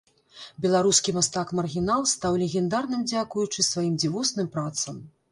Беларускі мастак-маргінал стаў легендарным дзякуючы сваім дзівосным працам.